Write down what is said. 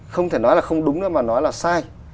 không thể nói là không đúng nữa mà nói là sai